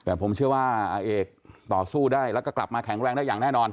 แต่ผมเชื่อว่าอาเอกต่อสู้ได้แล้วก็กลับมาแข็งแรงได้อย่างแน่นอน